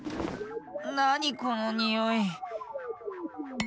なにこのにおい？